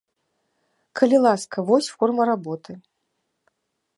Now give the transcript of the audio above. Калі ласка, вось форма работы.